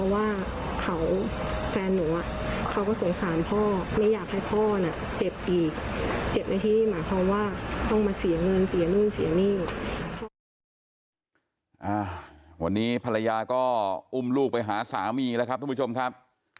วันนี้ภรรยาก็อุ้มลูกไปหาสามีแล้วครับทุกผู้ชมครับ